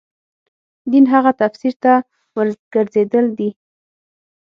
دین هغه تفسیر ته ورګرځېدل دي.